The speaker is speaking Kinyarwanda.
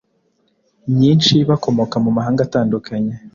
nyinshi bakomoka mu mahanga atandukanye.